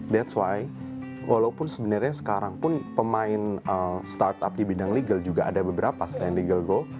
⁇ thats ⁇ why walaupun sebenarnya sekarang pun pemain startup di bidang legal juga ada beberapa selain legal go